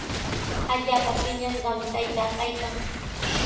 Allaapa piñashqami taytaa kaykan.